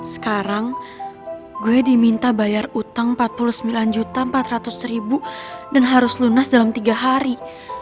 sekarang gue diminta bayar utang empat puluh sembilan juta empat ratus dan harus lunas dalam tiga hari